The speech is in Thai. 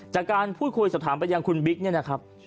จากการพูดคุยสักท้ายังไปยังคุณบิ๊กนะครับ